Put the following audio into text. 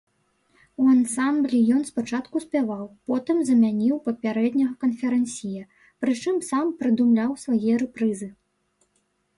У ансамблі ён спачатку спяваў, потым замяніў папярэдняга канферансье, прычым сам прыдумляў свае рэпрызы.